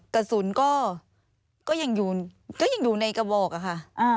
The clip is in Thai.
กระสุนก็ยังอยู่ในกระบอกอะค่ะ